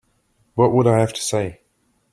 What would I have to say?